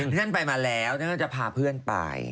เพื่อนไปมาแล้วท่านจะพาเพื่อนไป